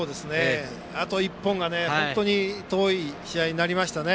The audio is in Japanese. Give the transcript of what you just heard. あと一本が本当に遠い試合になりましたね。